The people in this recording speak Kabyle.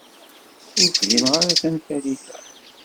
Ur fhimeɣ ara tanfalit-a.